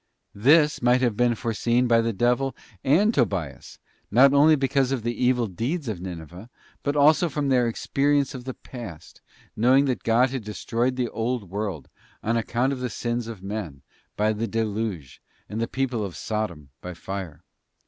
.This might have been foreseen by the devil and Tobias, not only because of the evil deeds of Ninive, but also from their experience of the past, knowing that God had destroyed the old world, on account of the sins of men, by the deluge, and the people of Sodom by fire.